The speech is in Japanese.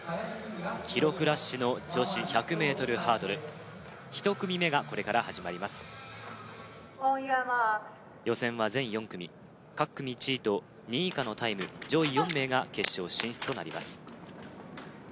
記録ラッシュの女子１００ｍハードル１組目がこれから始まりますＯｎＹｏｕｒＭａｒｋｓ予選は全４組各組１位と２位以下のタイム上位４名が決勝進出となります